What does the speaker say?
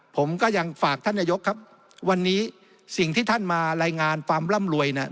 ผมก็ยังฝากท่านนายกครับวันนี้สิ่งที่ท่านมารายงานความร่ำรวยเนี่ย